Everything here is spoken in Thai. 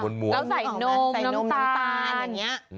แล้วใส่นมน้ำตาลอย่างนี้